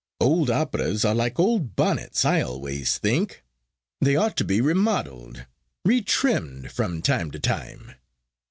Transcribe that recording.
Old operas are like old bonnets, I always think. They ought to be remodelled, retrimmed from time to time.